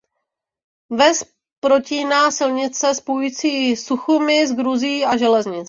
Ves protíná silnice spojující Suchumi s Gruzií a železnice.